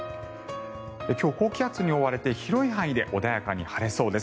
今日、高気圧に覆われて広い範囲で穏やかに晴れそうです。